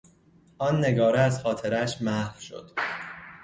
آن نگاره از خاطرهاش محو شد.